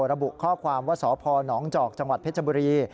ระบุข้อความว่าสพนจอกจังหวัดเพชรบุรี